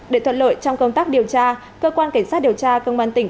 để thuận lợi trong công tác điều tra cơ quan cảnh sát điều tra công an tỉnh